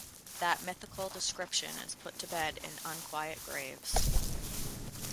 That mythical description is put to bed in "Unquiet Graves".